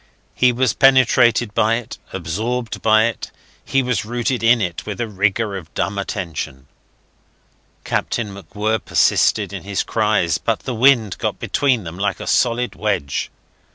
He was penetrated by it, absorbed by it; he was rooted in it with a rigour of dumb attention. Captain MacWhirr persisted in his cries, but the wind got between them like a solid wedge.